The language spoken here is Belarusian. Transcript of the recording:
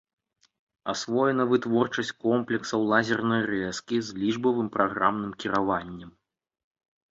Асвоена вытворчасць комплексаў лазернай рэзкі з лічбавым праграмным кіраваннем.